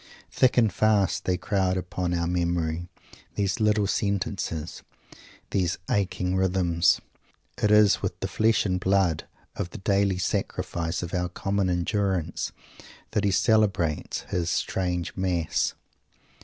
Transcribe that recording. Thick and fast they crowd upon our memory, these little sentences, these aching rhythms! It is with the flesh and blood of the daily Sacrifice of our common endurance that he celebrates his strange Mass.